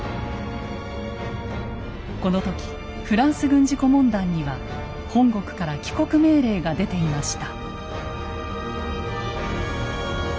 この時フランス軍事顧問団には本国から帰国命令が出ていました。